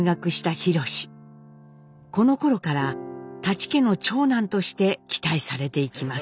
このころから舘家の長男として期待されていきます。